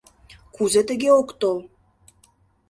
— Кузе тыге, ок тол?